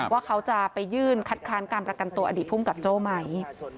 ว่าเขาจะไปยื่นคัดค้านการประกันตัวอดีตภูมิกับโจ้ไหม